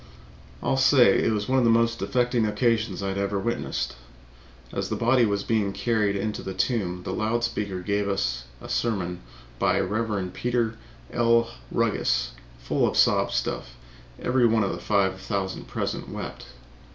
I'll say it was one of the most affecting occasions I have ever witnessed. As the body was being carried into the tomb the loud speaker gave us a sermon by Rev. Peter L. Ruggus, full of sob stuff, and every one of the five thousand present wept.